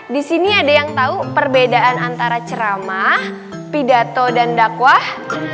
di sini ada yang tahu perbedaan antara ceramah pidato dan dakwah